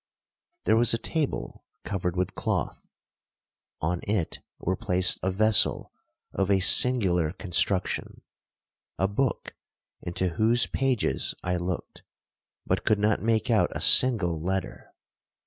'There was a table covered with cloth; on it were placed a vessel of a singular construction, a book, into whose pages I looked, but could not make out a single letter.